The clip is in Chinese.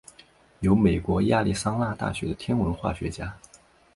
由美国亚利桑那大学的天文化学家。